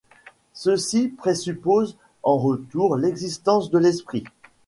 Ceci présuppose en retour l’existence de l’esprit.